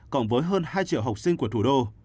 cộng với hơn hai triệu học sinh của thủ đô